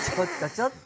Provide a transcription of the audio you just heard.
ちょっと！